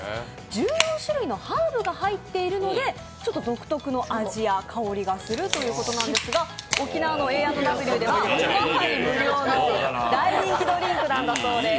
１４種類のハーブが入っているのでちょっと独特の味や香りがするということなんですが沖縄のＡ＆Ｗでは大人気ドリンクなんだそうです。